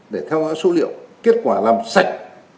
để theo dõi số liệu kết quả làm sạch